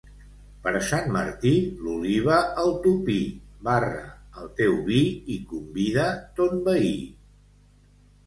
Per Sant Martí, l'oliva al tupí, barra el teu vi i convida ton veí.